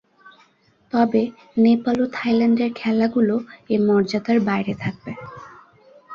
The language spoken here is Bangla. তবে, নেপাল ও থাইল্যান্ডের খেলাগুলো এ মর্যাদার বাইরে থাকবে।